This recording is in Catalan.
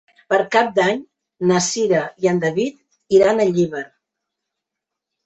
Per Cap d'Any na Cira i en David iran a Llíber.